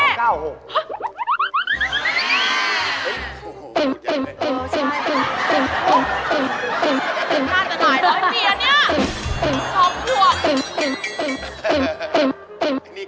ถ้าเธอนูไงหรอเอ้ยเหมียเนี้ย